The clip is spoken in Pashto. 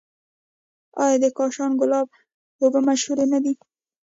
آیا د کاشان ګلاب اوبه مشهورې نه دي؟